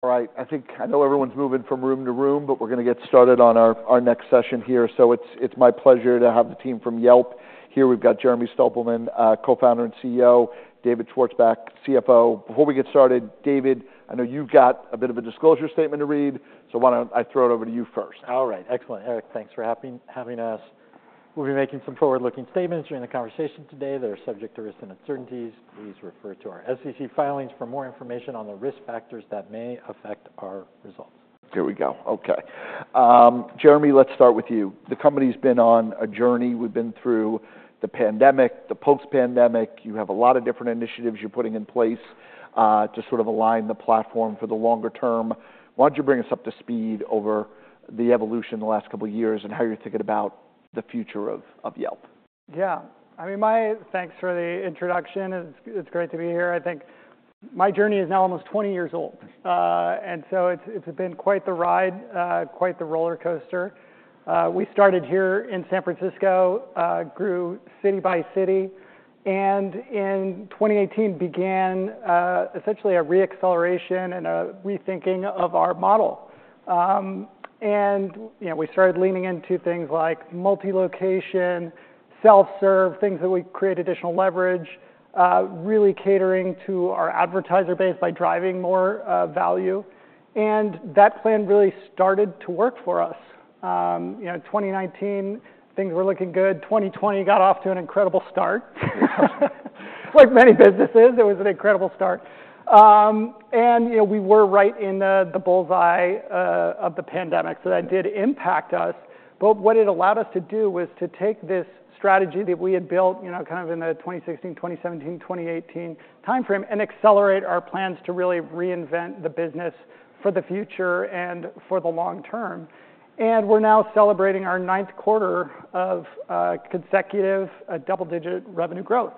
All right, I think I know everyone's moving from room to room, but we're gonna get started on our, our next session here. So it's, it's my pleasure to have the team from Yelp here. We've got Jeremy Stoppelman, co-founder and CEO, David Schwarzbach, CFO. Before we get started, David, I know you've got a bit of a disclosure statement to read, so why don't I throw it over to you first? All right. Excellent, Eric, thanks for having us. We'll be making some forward-looking statements during the conversation today that are subject to risks and uncertainties. Please refer to our SEC filings for more information on the risk factors that may affect our results. Here we go. Okay. Jeremy, let's start with you. The company's been on a journey. We've been through the pandemic, the post-pandemic. You have a lot of different initiatives you're putting in place, to sort of align the platform for the longer term. Why don't you bring us up to speed over the evolution in the last couple of years, and how you're thinking about the future of, of Yelp? Yeah. I mean, my thanks for the introduction, it's great to be here. I think my journey is now almost 20 years old. And so it's been quite the ride, quite the roller coaster. We started here in San Francisco, grew city by city, and in 2018 began essentially a re-acceleration and a rethinking of our model. You know, we started leaning into things like multi-location, self-serve, things that we create additional leverage, really catering to our advertiser base by driving more value. And that plan really started to work for us. You know, 2019, things were looking good. 2020 got off to an incredible start. Like many businesses, it was an incredible start. You know, we were right in the bull's-eye of the pandemic, so that did impact us. But what it allowed us to do was to take this strategy that we had built, you know, kind of in the 2016, 2017, 2018 timeframe, and accelerate our plans to really reinvent the business for the future and for the long term. And we're now celebrating our Q9 of consecutive double-digit revenue growth.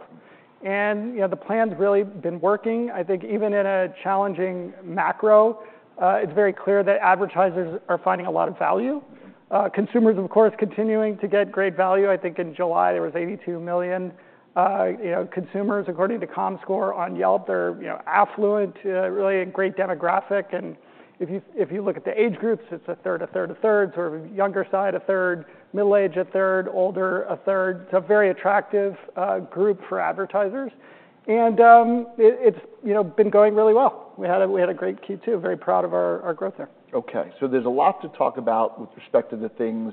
And, you know, the plan's really been working. I think even in a challenging macro, it's very clear that advertisers are finding a lot of value. Consumers, of course, continuing to get great value. I think in July, there was 82 million, you know, consumers, according to Comscore, on Yelp. They're, you know, affluent, really a great demographic, and if you, if you look at the age groups, it's a third, a third, a third, sort of younger side, a third, middle-aged, a third, older, a third. It's a very attractive group for advertisers, and, it's, you know, been going really well. We had a great Q2, very proud of our growth there. Okay, so there's a lot to talk about with respect to the things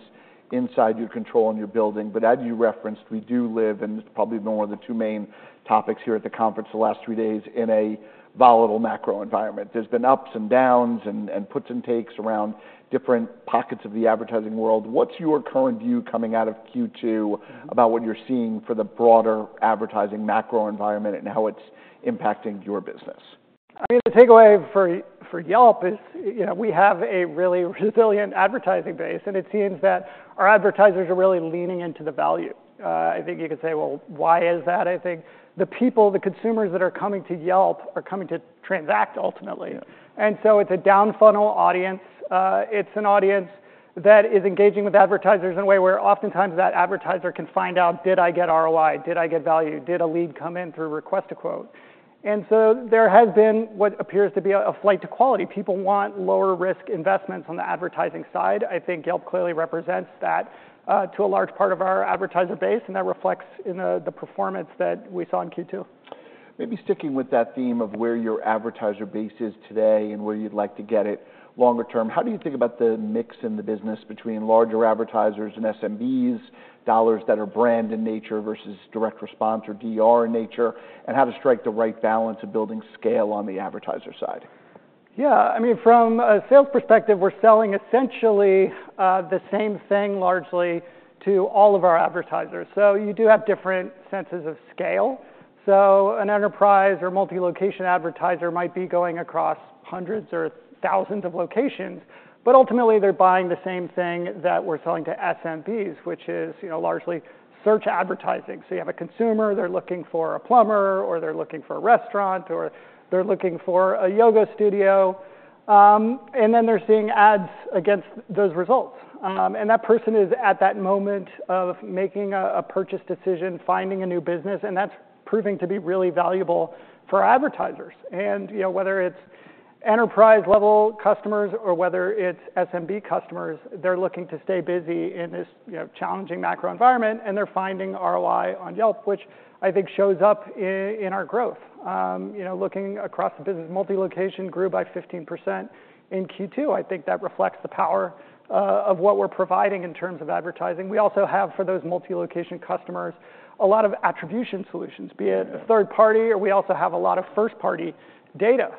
inside your control and your building. But as you referenced, we do live, and it's probably been one of the two main topics here at the conference the last three days, in a volatile macro environment. There's been ups and downs and puts and takes around different pockets of the advertising world. What's your current view coming out of Q2 about what you're seeing for the broader advertising macro environment and how it's impacting your business? I mean, the takeaway for Yelp is, you know, we have a really resilient advertising base, and it seems that our advertisers are really leaning into the value. I think you could say, "Well, why is that?" I think the people, the consumers that are coming to Yelp are coming to transact ultimately. Yeah. And so it's a down-funnel audience. It's an audience that is engaging with advertisers in a way where oftentimes that advertiser can find out, Did I get ROI? Did I get value? Did a lead come in through Request a Quote? And so there has been what appears to be a flight to quality. People want lower-risk investments on the advertising side. I think Yelp clearly represents that to a large part of our advertiser base, and that reflects in the performance that we saw in Q2. Maybe sticking with that theme of where your advertiser base is today and where you'd like to get it longer term, how do you think about the mix in the business between larger advertisers and SMBs, dollars that are brand in nature versus direct response or DR in nature, and how to strike the right balance of building scale on the advertiser side? Yeah, I mean, from a sales perspective, we're selling essentially the same thing largely to all of our advertisers. So you do have different senses of scale. So an enterprise or multi-location advertiser might be going across hundreds or thousands of locations, but ultimately, they're buying the same thing that we're selling to SMBs, which is, you know, largely search advertising. So you have a consumer, they're looking for a plumber, or they're looking for a restaurant, or they're looking for a yoga studio, and then they're seeing ads against those results. And that person is at that moment of making a purchase decision, finding a new business, and that's proving to be really valuable for advertisers. You know, whether it's enterprise-level customers or whether it's SMB customers, they're looking to stay busy in this, you know, challenging macro environment, and they're finding ROI on Yelp, which I think shows up in our growth. You know, looking across the business, multi-location grew by 15% in Q2. I think that reflects the power of what we're providing in terms of advertising. We also have, for those multi-location customers, a lot of attribution solutions- Yeah... be it a third party, or we also have a lot of first-party data.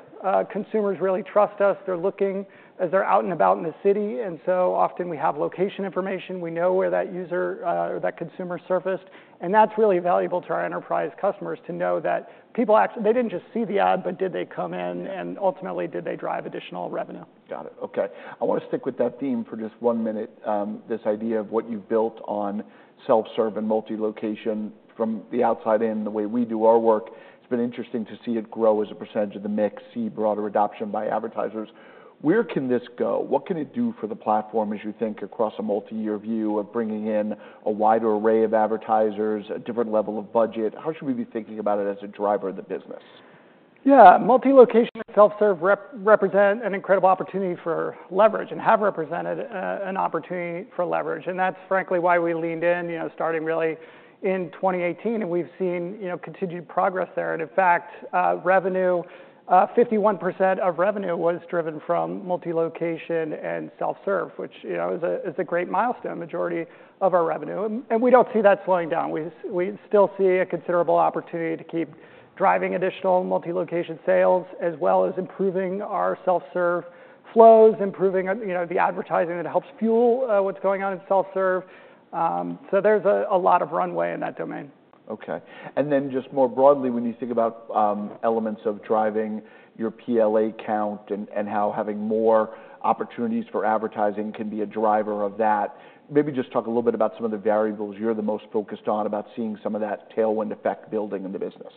Consumers really trust us. They're looking as they're out and about in the city, and so often we have location information. We know where that user, or that consumer surfaced, and that's really valuable to our enterprise customers to know that people actually—they didn't just see the ad, but did they come in, and ultimately, did they drive additional revenue? Got it. Okay. I wanna stick with that theme for just one minute, this idea of what you've built on self-serve and multi-location. From the outside in, the way we do our work, it's been interesting to see it grow as a percentage of the mix, see broader adoption by advertisers. Where can this go? What can it do for the platform, as you think, across a multi-year view of bringing in a wider array of advertisers, a different level of budget? How should we be thinking about it as a driver of the business? Yeah, multi-location self-serve represent an incredible opportunity for leverage and have represented an opportunity for leverage. And that's frankly why we leaned in, you know, starting really in 2018, and we've seen, you know, continued progress there. And in fact, 51% of revenue was driven from multi-location and self-serve, which, you know, is a great milestone, majority of our revenue, and we don't see that slowing down. We still see a considerable opportunity to keep driving additional multi-location sales, as well as improving our self-serve flows, improving, you know, the advertising that helps fuel what's going on in self-serve. So, there's a lot of runway in that domain. Okay. Then just more broadly, when you think about elements of driving your PAL count and how having more opportunities for advertising can be a driver of that, maybe just talk a little bit about some of the variables you're the most focused on about seeing some of that tailwind effect building in the business.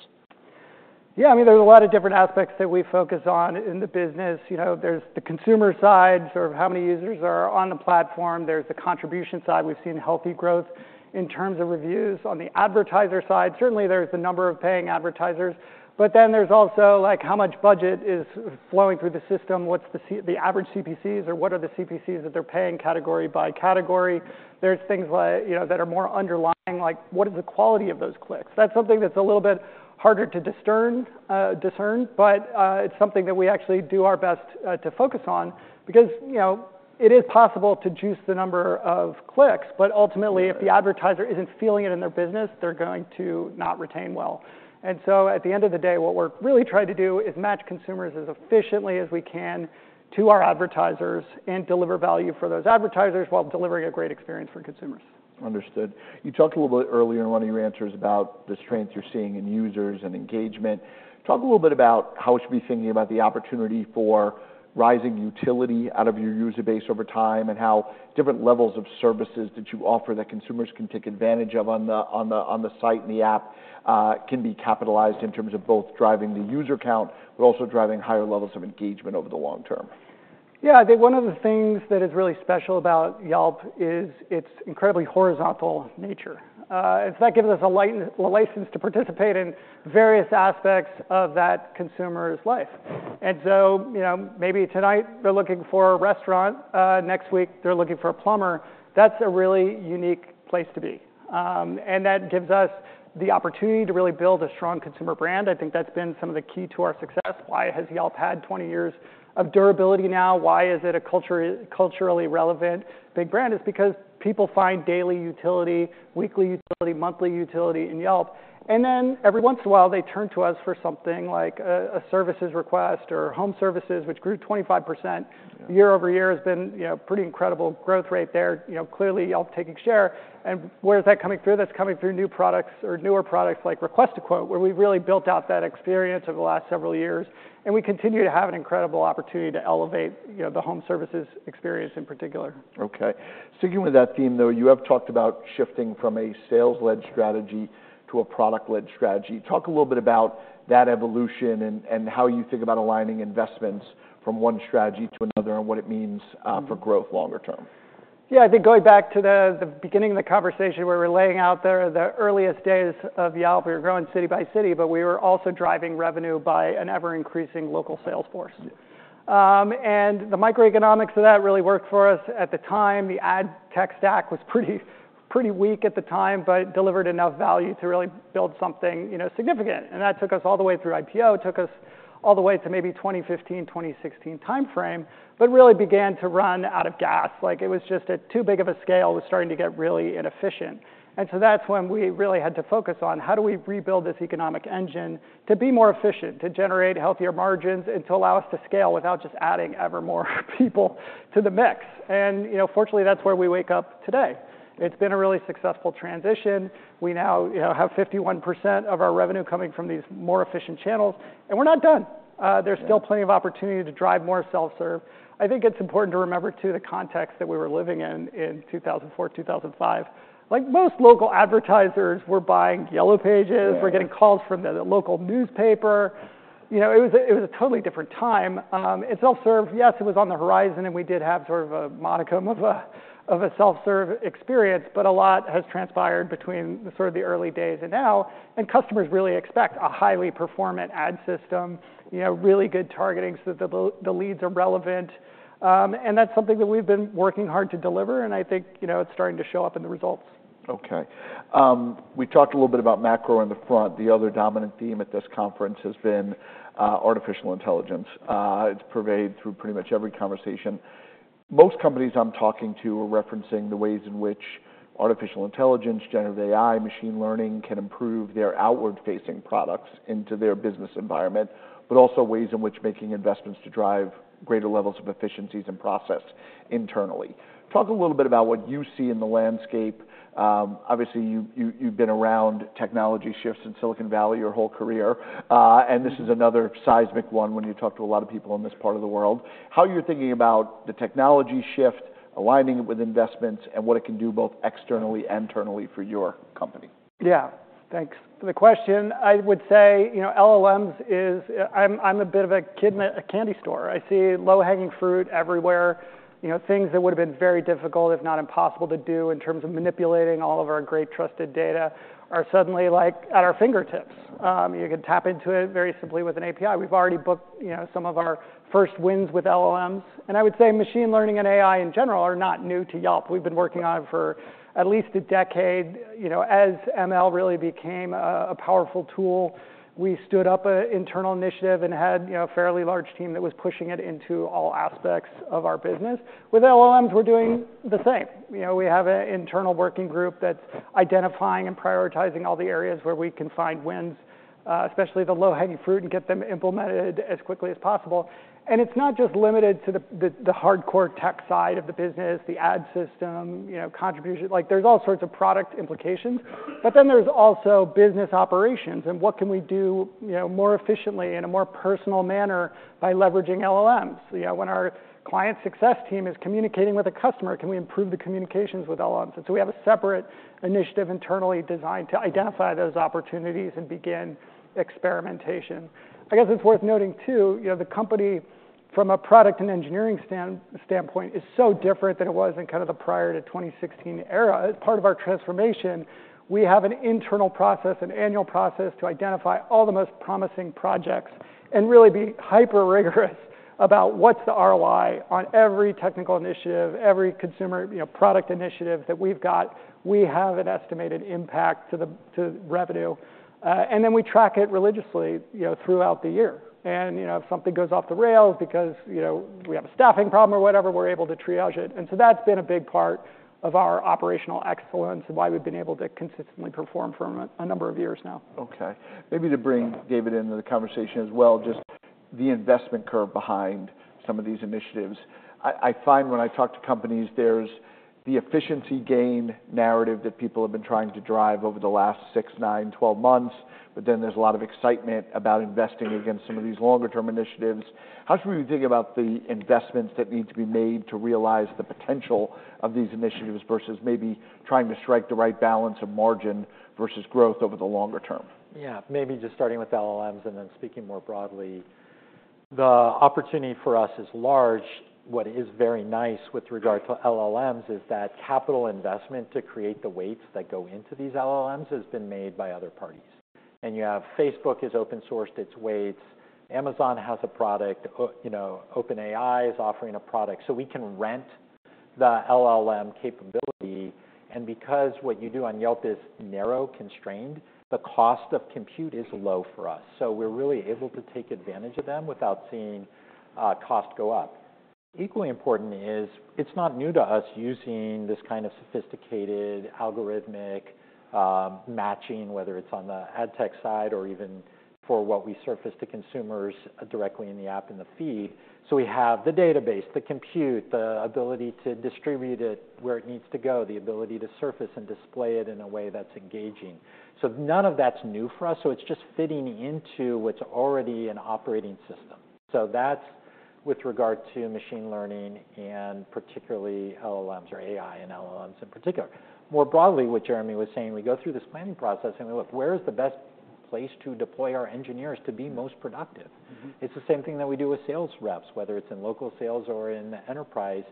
Yeah, I mean, there's a lot of different aspects that we focus on in the business. You know, there's the consumer side, sort of how many users are on the platform. There's the contribution side. We've seen healthy growth in terms of reviews on the advertiser side. Certainly, there's the number of paying advertisers, but then there's also, like, how much budget is flowing through the system? What's the average CPCs, or what are the CPCs that they're paying category by category? There's things you know, that are more underlying, like what is the quality of those clicks? That's something that's a little bit harder to discern, but it's something that we actually do our best to focus on because, you know, it is possible to chose the number of clicks, but ultimately- Right If the advertiser isn't feeling it in their business, they're going to not retain well. And so, at the end of the day, what we're really trying to do is match consumers as efficiently as we can to our advertisers and deliver value for those advertisers, while delivering a great experience for consumers. Understood. You talked a little bit earlier in one of your answers about the strengths you're seeing in users and engagement. Talk a little bit about how we should be thinking about the opportunity for rising utility out of your user base over time, and how different levels of services that you offer that consumers can take advantage of on the site and the app can be capitalized in terms of both driving the user count, but also driving higher levels of engagement over the long term. Yeah, I think one of the things that is really special about Yelp is its incredibly horizontal nature. And that gives us a license to participate in various aspects of that consumer's life. And so, you know, maybe tonight they're looking for a restaurant, next week, they're looking for a plumber. That's a really unique place to be. And that gives us the opportunity to really build a strong consumer brand. I think that's been some of the key to our success. Why has Yelp had 20 years of durability now? Why is it a culturally relevant big brand? It's because people find daily utility, weekly utility, monthly utility in Yelp, and then every once in a while, they turn to us for something like a services request or home services, which grew 25%- Yeah... year-over-year. Has been, you know, pretty incredible growth rate there. You know, clearly, Yelp taking share. And where is that coming through? That's coming through new products or newer products like Request a Quote, where we've really built out that experience over the last several years, and we continue to have an incredible opportunity to elevate, you know, the home services experience in particular. Okay. Sticking with that theme, though, you have talked about shifting from a sales-led strategy to a product-led strategy. Talk a little bit about that evolution and how you think about aligning investments from one strategy to another and what it means? Mm-hmm... for growth longer term. Yeah, I think going back to the beginning of the conversation, where we're laying out the earliest days of Yelp, we were growing city by city, but we were also driving revenue by an ever-increasing local sales force. Yeah. And the microeconomics of that really worked for us at the time. The ad tech stack was pretty, pretty weak at the time, but delivered enough value to really build something, you know, significant, and that took us all the way through IPO. It took us all the way to maybe 2015, 2016 timeframe, but really began to run out of gas. Like, it was just a too big of a scale, was starting to get really inefficient. And so that's when we really had to focus on: How do we rebuild this economic engine to be more efficient, to generate healthier margins, and to allow us to scale without just adding ever more people to the mix? And, you know, fortunately, that's where we wake up today. It's been a really successful transition. We now, you know, have 51% of our revenue coming from these more efficient channels, and we're not done. Yeah... there's still plenty of opportunity to drive more self-serve. I think it's important to remember, too, the context that we were living in in 2004, 2005. Like most local advertisers, we're buying Yellow Pages- Right... we're getting calls from the local newspaper. You know, it was a totally different time. And self-serve, yes, it was on the horizon, and we did have sort of a modicum of a self-serve experience, but a lot has transpired between sort of the early days and now, and customers really expect a highly performant ad system, you know, really good targeting so that the leads are relevant. And that's something that we've been working hard to deliver, and I think, you know, it's starting to show up in the results. Okay. We talked a little bit about macro in the front. The other dominant theme at this conference has been artificial intelligence. It's pervaded through pretty much every conversation. Most companies I'm talking to are referencing the ways in which artificial intelligence, generative AI, machine learning, can improve their outward-facing products into their business environment, but also ways in which making investments to drive greater levels of efficiencies and process internally. Talk a little bit about what you see in the landscape. Obviously, you've been around technology shifts in Silicon Valley your whole career. Mm-hmm... and this is another seismic one when you talk to a lot of people in this part of the world. How you're thinking about the technology shift, aligning it with investments, and what it can do both externally and internally for your company? Yeah. Thanks for the question. I would say, you know, LLMs is... I'm a bit of a kid in a candy store. I see low-hanging fruit everywhere. You know, things that would've been very difficult, if not impossible, to do in terms of manipulating all of our great trusted data... are suddenly, like, at our fingertips. You can tap into it very simply with an API. We've already booked, you know, some of our first wins with LLMs, and I would say machine learning and AI, in general, are not new to Yelp. We've been working on it for at least a decade. You know, as ML really became a powerful tool, we stood up an internal initiative and had, you know, a fairly large team that was pushing it into all aspects of our business. With LLMs, we're doing the same. You know, we have an internal working group that's identifying and prioritizing all the areas where we can find wins, especially the low-hanging fruit, and get them implemented as quickly as possible. And it's not just limited to the hardcore tech side of the business, the ad system, you know, contribution... Like, there's all sorts of product implications, but then there's also business operations, and what can we do, you know, more efficiently in a more personal manner by leveraging LLMs? You know, when our client success team is communicating with a customer, can we improve the communications with LLMs? And so we have a separate initiative internally designed to identify those opportunities and begin experimentation. I guess it's worth noting, too, you know, the company, from a product and engineering standpoint, is so different than it was in kind of the prior to 2016 era. As part of our transformation, we have an internal process, an annual process, to identify all the most promising projects and really be hyper rigorous about what's the ROI on every technical initiative, every consumer, you know, product initiative that we've got. We have an estimated impact to the to revenue, and then we track it religiously, you know, throughout the year. And, you know, if something goes off the rails because, you know, we have a staffing problem or whatever, we're able to triage it. And so that's been a big part of our operational excellence and why we've been able to consistently perform for a number of years now. Okay. Maybe to bring David into the conversation as well, just the investment curve behind some of these initiatives. I find when I talk to companies, there's the efficiency gain narrative that people have been trying to drive over the last 6, 9, 12 months, but then there's a lot of excitement about investing against some of these longer term initiatives. How should we be thinking about the investments that need to be made to realize the potential of these initiatives versus maybe trying to strike the right balance of margin versus growth over the longer term? Yeah, maybe just starting with LLMs and then speaking more broadly. The opportunity for us is large. What is very nice with regard to LLMs is that capital investment to create the weights that go into these LLMs has been made by other parties. And you have Facebook has open-sourced its weights, Amazon has a product, you know, OpenAI is offering a product. So we can rent the LLM capability, and because what you do on Yelp is narrow constrained, the cost of compute is low for us, so we're really able to take advantage of them without seeing, cost go up. Equally important is, it's not new to us using this kind of sophisticated algorithmic, matching, whether it's on the ad tech side or even for what we surface to consumers directly in the app in the feed. So we have the database, the compute, the ability to distribute it where it needs to go, the ability to surface and display it in a way that's engaging. So none of that's new for us, so it's just fitting into what's already an operating system. So that's with regard to machine learning, and particularly LLMs or AI and LLMs in particular. More broadly, what Jeremy was saying, we go through this planning process and we look: Where is the best place to deploy our engineers to be most productive? Mm-hmm. It's the same thing that we do with sales reps, whether it's in local sales or in enterprise,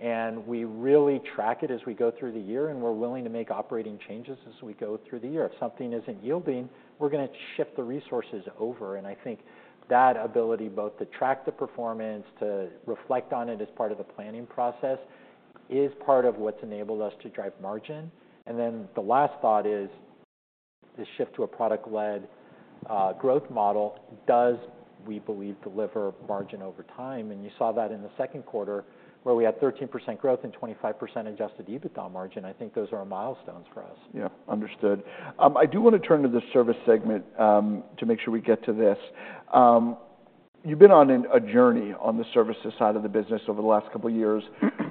and we really track it as we go through the year, and we're willing to make operating changes as we go through the year. If something isn't yielding, we're gonna shift the resources over, and I think that ability both to track the performance, to reflect on it as part of the planning process, is part of what's enabled us to drive margin. And then the last thought is, the shift to a product-led growth model does, we believe, deliver margin over time, and you saw that in the Q2, where we had 13% growth and 25% Adjusted EBITDA margin. I think those are milestones for us. Yeah, understood. I do wanna turn to the service segment to make sure we get to this. You've been on a journey on the services side of the business over the last couple of years.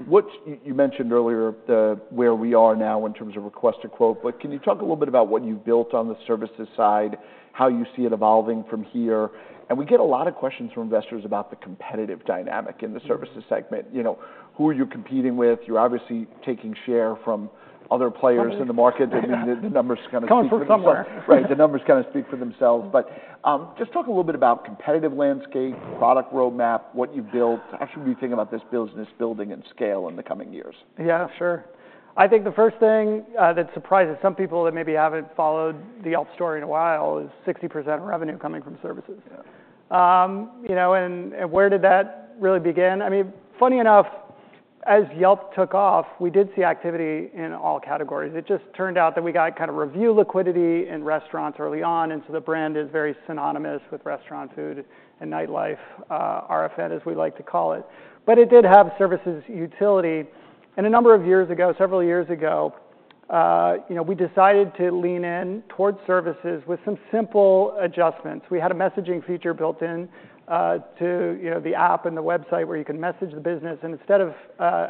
What you mentioned earlier, the where we are now in terms of Request a Quote, but can you talk a little bit about what you've built on the services side, how you see it evolving from here? And we get a lot of questions from investors about the competitive dynamic in the services segment. You know, who are you competing with? You're obviously taking share from other players- Yeah in the market. I mean, the numbers kind of speak for themselves. Coming from somewhere. Right, the numbers kind of speak for themselves. But, just talk a little bit about competitive landscape, product roadmap, what you've built. How should we think about this business building and scale in the coming years? Yeah, sure. I think the first thing that surprises some people that maybe haven't followed the Yelp story in a while is 60% of revenue coming from services. Yeah. You know, and where did that really begin? I mean, funny enough, as Yelp took off, we did see activity in all categories. It just turned out that we got kind of review liquidity in restaurants early on, and so the brand is very synonymous with restaurant, food, and nightlife, RFN, as we like to call it, but it did have services utility. And a number of years ago, several years ago, you know, we decided to lean in towards services with some simple adjustments. We had a messaging feature built in, to, you know, the app and the website where you can message the business, and instead of,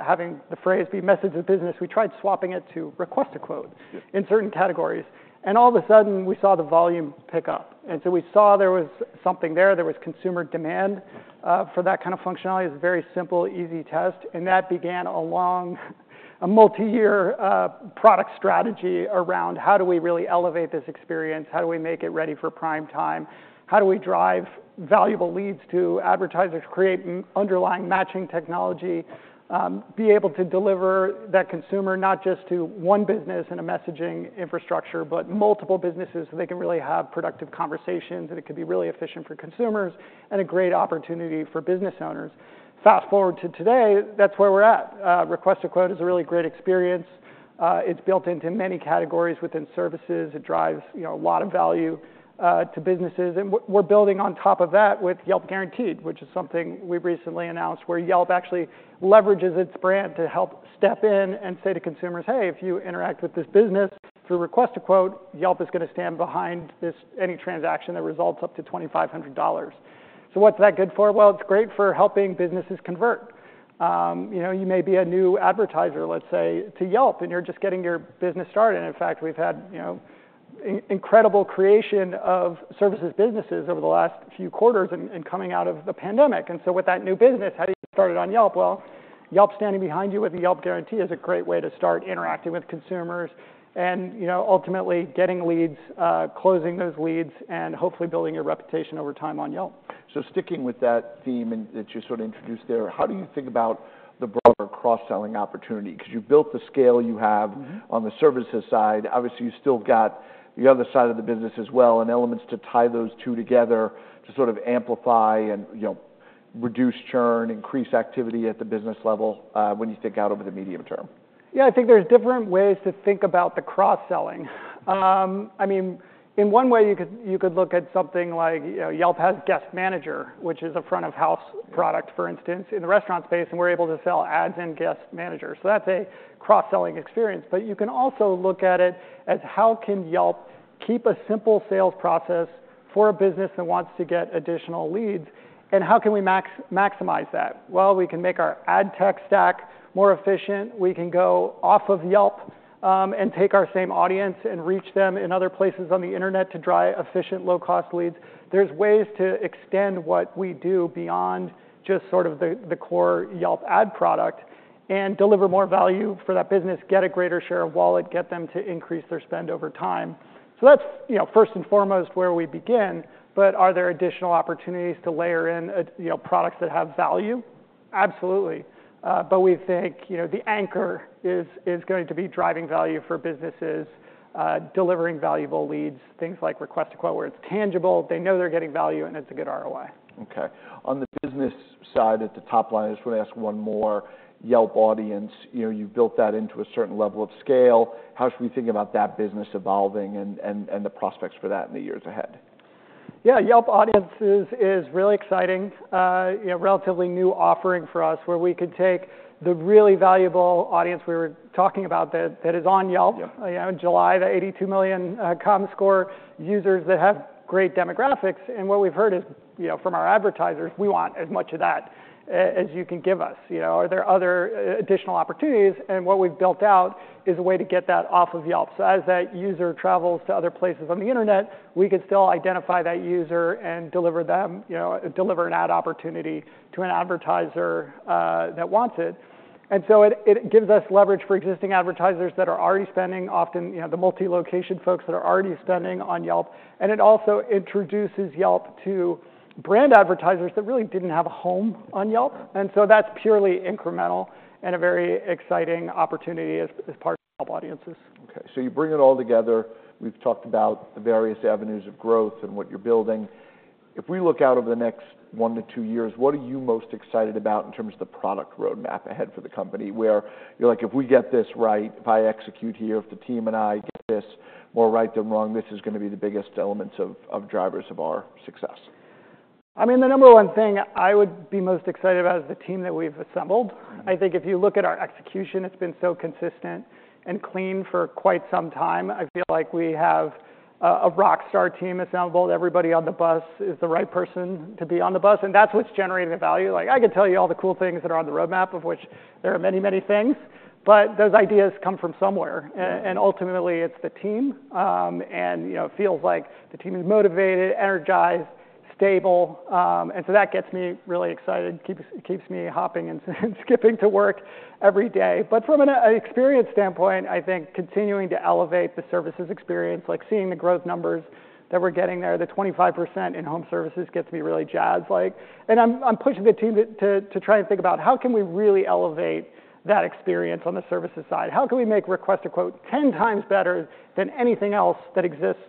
having the phrase be, "Message the business," we tried swapping it to, "Request a Quote"- Yeah In certain categories, and all of a sudden, we saw the volume pick up. And so we saw there was something there. There was consumer demand for that kind of functionality. It's a very simple, easy test, and that began a multi-year product strategy around how do we really elevate this experience? How do we make it ready for prime time? How do we drive valuable leads to advertisers, create an underlying matching technology, be able to deliver that consumer, not just to one business in a messaging infrastructure, but multiple businesses, so they can really have productive conversations, and it can be really efficient for consumers and a great opportunity for business owners. Fast-forward to today, that's where we're at. Request a Quote is a really great experience. It's built into many categories within services. It drives, you know, a lot of value to businesses, and we're building on top of that with Yelp Guaranteed, which is something we recently announced, where Yelp actually leverages its brand to help step in and say to consumers, "Hey, if you interact with this business through Request a Quote, Yelp is gonna stand behind this any transaction that results up to $2,500." So what's that good for? Well, it's great for helping businesses convert. You know, you may be a new advertiser, let's say, to Yelp, and you're just getting your business started. In fact, we've had, you know, incredible creation of services businesses over the last few quarters and coming out of the pandemic. And so with that new business, how do you get started on Yelp? Well, Yelp standing behind you with a Yelp Guaranteed is a great way to start interacting with consumers and, you know, ultimately getting leads, closing those leads, and hopefully building your reputation over time on Yelp. Sticking with that theme and that you sort of introduced there, how do you think about the broader cross-selling opportunity? 'Cause you built the scale you have- Mm-hmm. on the services side. Obviously, you've still got the other side of the business as well, and elements to tie those two together to sort of amplify and, you know, reduce churn, increase activity at the business level, when you think out over the medium term. Yeah, I think there's different ways to think about the cross-selling. I mean, in one way, you could look at something like, you know, Yelp has Guest Manager, which is a front-of-house product, for instance, in the restaurant space, and we're able to sell ads and guest managers. So that's a cross-selling experience. But you can also look at it as, how can Yelp keep a simple sales process for a business that wants to get additional leads, and how can we maximize that? Well, we can make our ad tech stack more efficient. We can go off of Yelp, and take our same audience and reach them in other places on the internet to drive efficient, low-cost leads. There's ways to extend what we do beyond just sort of the core Yelp ad product and deliver more value for that business, get a greater share of wallet, get them to increase their spend over time. So that's, you know, first and foremost where we begin, but are there additional opportunities to layer in, you know, products that have value? Absolutely. But we think, you know, the anchor is going to be driving value for businesses, delivering valuable leads, things like Request a Quote, where it's tangible, they know they're getting value, and it's a good ROI. Okay. On the business side, at the top line, I just wanna ask one more. Yelp Audiences, you know, you've built that into a certain level of scale. How should we think about that business evolving and the prospects for that in the years ahead? Yeah, Yelp Audiences is really exciting, you know, relatively new offering for us, where we could take the really valuable audience we were talking about that is on Yelp. Yep. You know, in July, the 82 million Comscore users that have great demographics, and what we've heard is, you know, from our advertisers, "We want as much of that as you can give us. You know, are there other additional opportunities?" And what we've built out is a way to get that off of Yelp. So as that user travels to other places on the internet, we can still identify that user and deliver them, you know, deliver an ad opportunity to an advertiser that wants it. And so it gives us leverage for existing advertisers that are already spending, often, you know, the multi-location folks that are already spending on Yelp, and it also introduces Yelp to brand advertisers that really didn't have a home on Yelp. And so that's purely incremental and a very exciting opportunity as part of Yelp Audiences. Okay, so you bring it all together. We've talked about the various avenues of growth and what you're building. If we look out over the next 1-2 years, what are you most excited about in terms of the product roadmap ahead for the company, where you're like, "If we get this right, if I execute here, if the team and I get this more right than wrong, this is gonna be the biggest elements of drivers of our success? I mean, the number one thing I would be most excited about is the team that we've assembled. Mm-hmm. I think if you look at our execution, it's been so consistent and clean for quite some time. I feel like we have a rock star team assembled. Everybody on the bus is the right person to be on the bus, and that's what's generating the value. Like, I can tell you all the cool things that are on the roadmap, of which there are many, many things, but those ideas come from somewhere. Yeah. Ultimately, it's the team. You know, it feels like the team is motivated, energized, stable, and so that gets me really excited, keeps me hopping and skipping to work every day. But from an experience standpoint, I think continuing to elevate the services experience, like seeing the growth numbers that we're getting there, the 25% in home services gets me really jazzed, like. And I'm pushing the team to try and think about: how can we really elevate that experience on the services side? How can we make Request a Quote ten times better than anything else that exists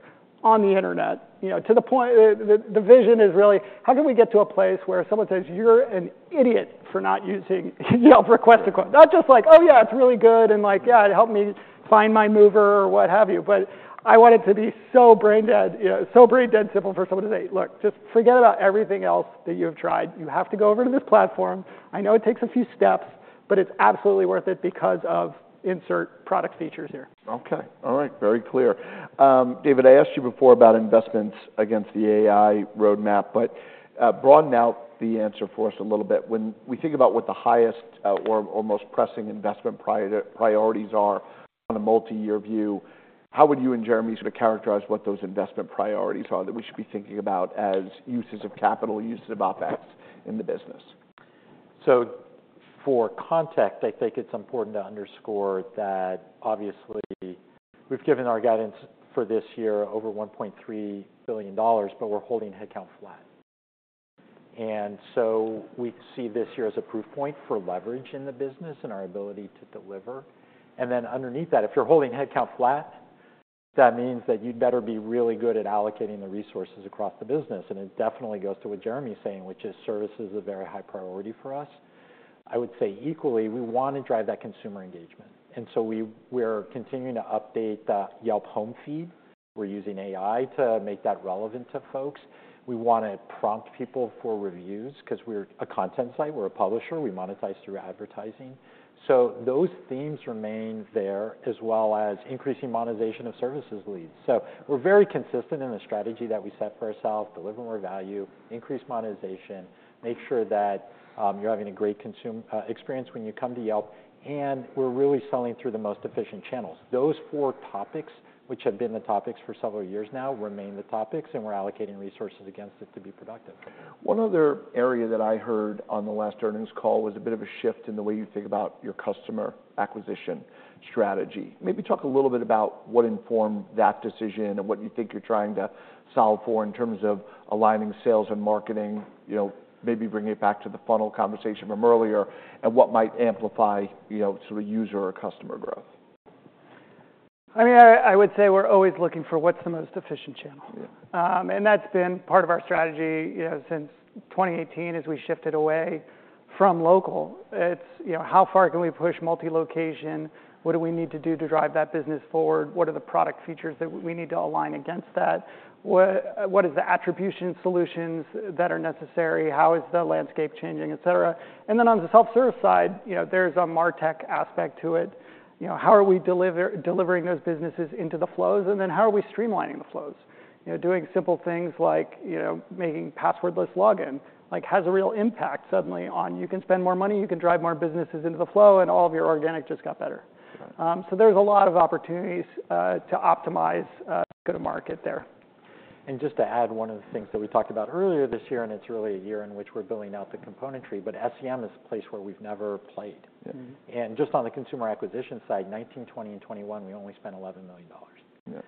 on the internet? You know, to the point, the vision is really: how can we get to a place where someone says, "You're an idiot for not using Yelp Request a Quote?" Not just like, "Oh, yeah, it's really good," and like, "Yeah, it helped me find my mover," or what have you, but I want it to be so brain-dead, you know, so brain-dead simple for someone to say, "Look, just forget about everything else that you have tried. You have to go over to this platform. I know it takes a few steps, but it's absolutely worth it because of," insert product features here. Okay, all right. Very clear. David, I asked you before about investments against the AI roadmap, but broaden out the answer for us a little bit. When we think about what the highest or most pressing investment priorities are on a multi-year view, how would you and Jeremy sort of characterize what those investment priorities are that we should be thinking about as uses of capital, uses of OpEx in the business? So for context, I think it's important to underscore that obviously, we've given our guidance for this year over $1.3 billion, but we're holding headcount flat. So we see this year as a proof point for leverage in the business and our ability to deliver. Then underneath that, if you're holding headcount flat, that means that you'd better be really good at allocating the resources across the business. It definitely goes to what Jeremy's saying, which is service is a very high priority for us. I would say equally, we want to drive that consumer engagement, and so we- we're continuing to update the Yelp home feed. We're using AI to make that relevant to folks. We wanna prompt people for reviews 'cause we're a content site, we're a publisher, we monetize through advertising. So those themes remain there, as well as increasing monetization of services leads. So we're very consistent in the strategy that we set for ourselves: deliver more value, increase monetization, make sure that you're having a great consumer experience when you come to Yelp, and we're really selling through the most efficient channels. Those four topics, which have been the topics for several years now, remain the topics, and we're allocating resources against it to be productive. One other area that I heard on the last earnings call was a bit of a shift in the way you think about your customer acquisition strategy. Maybe talk a little bit about what informed that decision and what you think you're trying to solve for in terms of aligning sales and marketing, you know, maybe bringing it back to the funnel conversation from earlier, and what might amplify, you know, sort of user or customer growth. I mean, I would say we're always looking for what's the most efficient channel. Yeah. And that's been part of our strategy, you know, since 2018, as we shifted away from local. It's, you know, how far can we push multi-location? What do we need to do to drive that business forward? What are the product features that we need to align against that? What is the attribution solutions that are necessary? How is the landscape changing, et cetera? And then, on the self-service side, you know, there's a martech aspect to it. You know, how are we delivering those businesses into the flows, and then how are we streamlining the flows? You know, doing simple things like, you know, making password-less login, like, has a real impact suddenly on you can spend more money, you can drive more businesses into the flow, and all of your organic just got better. Right. So there's a lot of opportunities to optimize go-to-market there. Just to add, one of the things that we talked about earlier this year, and it's really a year in which we're building out the componentry, but SEM is a place where we've never played. Mm-hmm. Just on the consumer acquisition side, 2019, 2020, and 2021, we only spent $11 million. Yeah.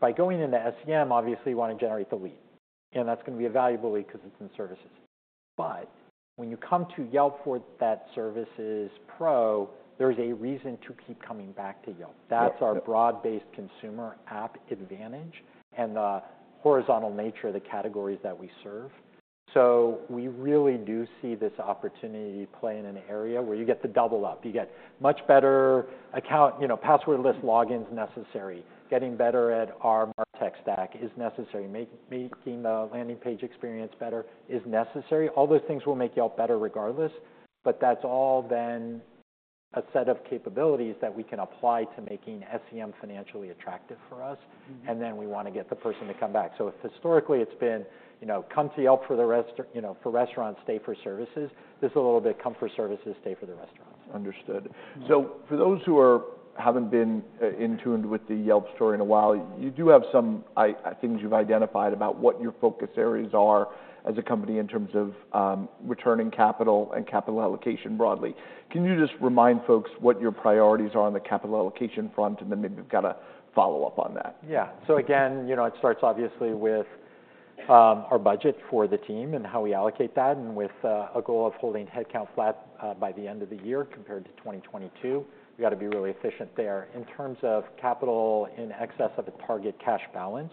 By going into SEM, obviously, we want to generate the lead, and that's gonna be a valuable lead 'cause it's in services. But when you come to Yelp for that services pro, there is a reason to keep coming back to Yelp. Yeah. That's our broad-based consumer app advantage and the horizontal nature of the categories that we serve. So we really do see this opportunity to play in an area where you get to double up. You get much better account... You know, password-less login's necessary. Getting better at our martech stack is necessary. Making the landing page experience better is necessary. All those things will make Yelp better regardless, but that's all then a set of capabilities that we can apply to making SEM financially attractive for us. Mm-hmm. And then we want to get the person to come back. So if historically it's been, you know, come to Yelp for the restaurants, you know, stay for services, this is a little bit come for services, stay for the restaurants. Understood. Yeah. So for those who haven't been in tune with the Yelp story in a while, you do have some things you've identified about what your focus areas are as a company in terms of returning capital and capital allocation broadly. Can you just remind folks what your priorities are on the capital allocation front? And then maybe we've got a follow-up on that. Yeah. So again, you know, it starts obviously with, our budget for the team and how we allocate that, and with, a goal of holding headcount flat, by the end of the year compared to 2022. We've got to be really efficient there. In terms of capital in excess of a target cash balance,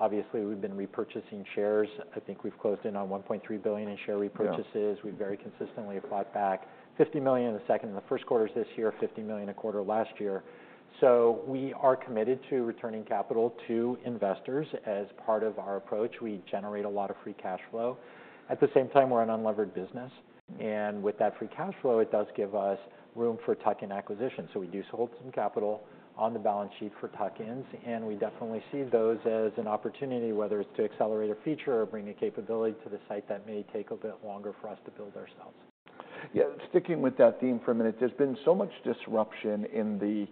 obviously, we've been repurchasing shares. I think we've closed in on $1.3 billion in share repurchases. Yeah. We've very consistently applied back $50 million in the second and the Q1 this year, $50 million a quarter last year. So we are committed to returning capital to investors. As part of our approach, we generate a lot of free cash flow. At the same time, we're an unlevered business, and with that free cash flow, it does give us room for tuck-in acquisition. So we do hold some capital on the balance sheet for tuck-ins, and we definitely see those as an opportunity, whether it's to accelerate a feature or bring a capability to the site that may take a bit longer for us to build ourselves. Yeah. Sticking with that theme for a minute, there's been so much disruption in the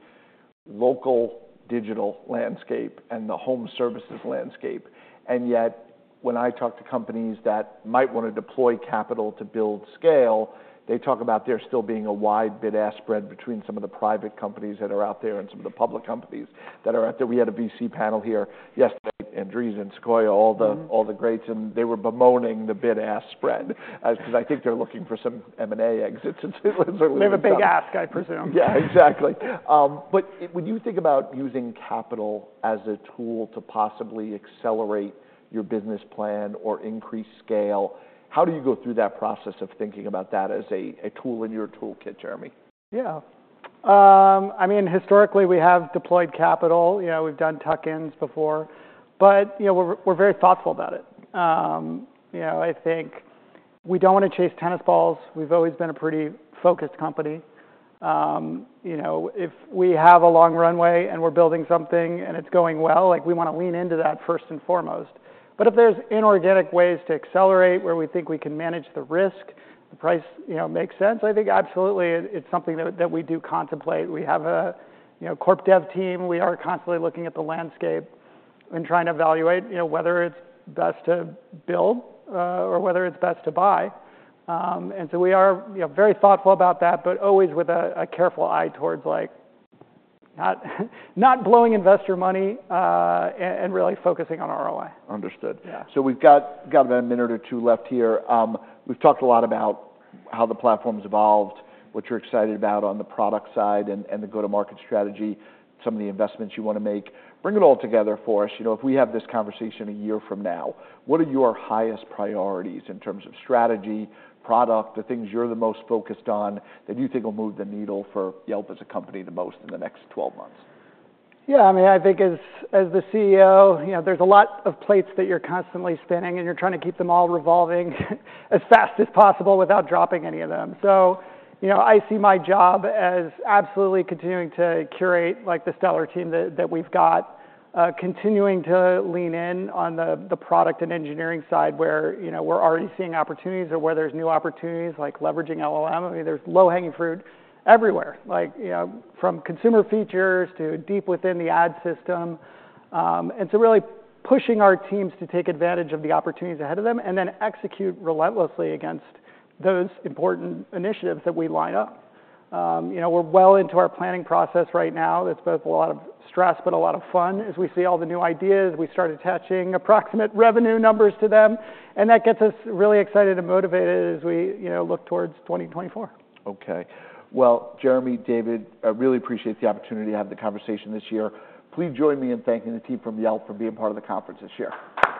local digital landscape and the home services landscape, and yet, when I talk to companies that might wanna deploy capital to build scale, they talk about there still being a wide bid-ask spread between some of the private companies that are out there and some of the public companies that are out there. We had a VC panel here yesterday, Andreessen, Sequoia, all the- Mm-hmm... all the greats, and they were bemoaning the bid-ask spread, because I think they're looking for some M&A exits, and so - They have a big ask, I presume. Yeah, exactly. But when you think about using capital as a tool to possibly accelerate your business plan or increase scale, how do you go through that process of thinking about that as a tool in your toolkit, Jeremy? Yeah. I mean, historically, we have deployed capital. You know, we've done tuck-ins before, but, you know, we're very thoughtful about it. You know, I think we don't wanna chase tennis balls. We've always been a pretty focused company. You know, if we have a long runway and we're building something and it's going well, like, we wanna lean into that first and foremost. But if there's inorganic ways to accelerate, where we think we can manage the risk, the price, you know, makes sense, I think absolutely it's something that we do contemplate. We have a, you know, corp dev team. We are constantly looking at the landscape and trying to evaluate, you know, whether it's best to build or whether it's best to buy. And so we are, you know, very thoughtful about that, but always with a careful eye towards, like, not blowing investor money, and really focusing on ROI. Understood. Yeah. So we've got about a minute or two left here. We've talked a lot about how the platform's evolved, what you're excited about on the product side, and the go-to-market strategy, some of the investments you wanna make. Bring it all together for us. You know, if we have this conversation a year from now, what are your highest priorities in terms of strategy, product, the things you're the most focused on, that you think will move the needle for Yelp as a company the most in the next twelve months? Yeah, I mean, I think as, as the CEO, you know, there's a lot of plates that you're constantly spinning, and you're trying to keep them all revolving as fast as possible without dropping any of them. So, you know, I see my job as absolutely continuing to curate, like, the stellar team that, that we've got, continuing to lean in on the, the product and engineering side, where, you know, we're already seeing opportunities or where there's new opportunities, like leveraging LLM. I mean, there's low-hanging fruit everywhere, like, you know, from consumer features to deep within the ad system. You know, we're well into our planning process right now. That's both a lot of stress, but a lot of fun as we see all the new ideas, we start attaching approximate revenue numbers to them, and that gets us really excited and motivated as we, you know, look towards 2024. Okay. Well, Jeremy, David, I really appreciate the opportunity to have the conversation this year. Please join me in thanking the team from Yelp for being part of the conference this year.